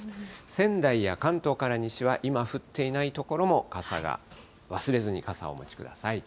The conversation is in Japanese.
仙台は関東から西は、今降っていない所も、忘れずに傘をお持ちください。